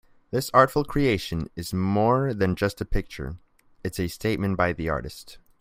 This artful creation is more than just a picture, it's a statement by the artist.